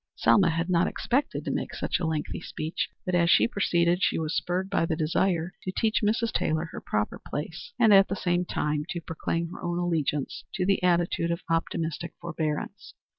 Selma had not expected to make such a lengthy speech, but as she proceeded she was spurred by the desire to teach Mrs. Taylor her proper place, and at the same time to proclaim her own allegiance to the attitude of optimistic forbearance.